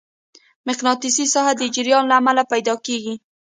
مقناطیسي ساحه د جریان له امله پیدا کېږي.